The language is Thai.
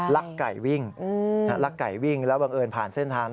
ลักไก่วิ่งลักไก่วิ่งแล้วบังเอิญผ่านเส้นทาง